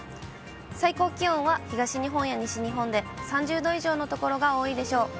最高気温は東日本や西日本で３０度以上の所が多いでしょう。